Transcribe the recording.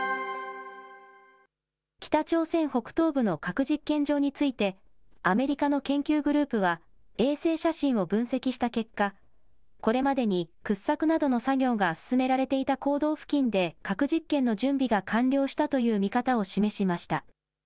北朝鮮北東部の核実験場について、アメリカの研究グループは、衛星写真を分析した結果、これまでに掘削などの作業が進められていた坑道付近で核実験の準備が完了したという見方を示しました。